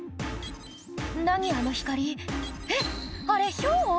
何あの光えっあれヒョウ？